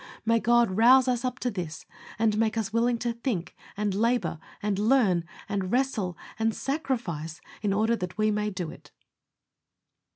May God rouse us up to this, and make us willing to think, and labor, and learn, and wrestle, and sacrifice, in order that we may do it.